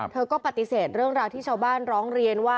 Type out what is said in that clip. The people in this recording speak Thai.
เธอก็ปฏิเสธเรื่องราวที่ชาวบ้านร้องเรียนว่า